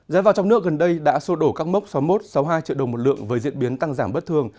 giá vàng trong nước gần đây đã sô đổ các mốc sáu mươi một sáu mươi hai triệu đồng một lượng với diễn biến tăng giảm bất thường